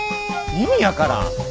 意味分からん！